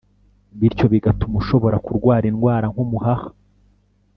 bityo bigatuma ushobora kurwara indwara nk’umuhaha